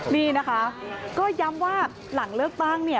นี่นะคะก็ย้ำว่าหลังเลือกตั้งเนี่ย